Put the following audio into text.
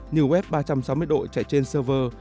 như web ba trăm sáu mươi độ chạy trên server